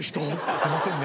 すいませんね。